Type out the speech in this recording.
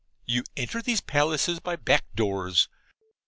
You enter these palaces by back doors.